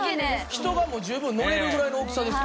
人が十分乗れるぐらいの大きさですけど。